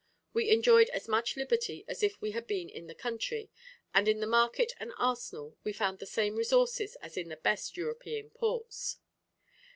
We enjoyed as much liberty as if we had been in the country; and in the market and arsenal we found the same resources as in the best European ports."